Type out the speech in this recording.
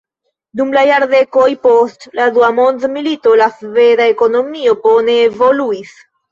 Dum la jardekoj post la dua mondmilito la sveda ekonomio bone evoluis.